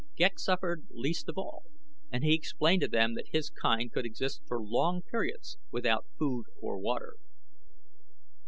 Ghek suffered least of all, and he explained to them that his kind could exist for long periods without food or water.